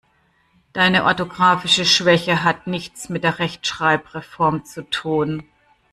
Deine orthografische Schwäche hat nichts mit der Rechtschreibreform zu tun.